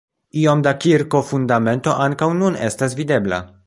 Iom da kirko-fundamento ankaŭ nun estas videbla.